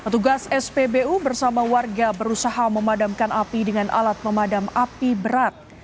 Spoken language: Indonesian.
petugas spbu bersama warga berusaha memadamkan api dengan alat memadam api berat